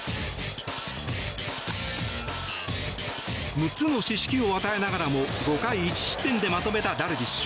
６つの四死球を与えながらも５回１失点でまとめたダルビッシュ。